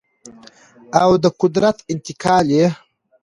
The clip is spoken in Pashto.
او د قدرت انتقال یې